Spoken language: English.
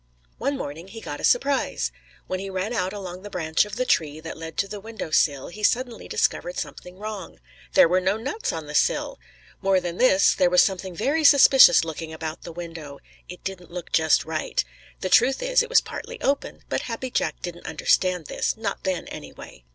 One morning he got a surprise. When he ran out along the branch of the tree that led to the window sill he suddenly discovered something wrong. There were no nuts on the sill! More than this there was something very suspicious looking about the window. It didn't look just right. The truth is it was partly open, but Happy Jack didn't understand this, not then, anyway.